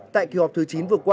tại kỳ họp thứ chín vừa qua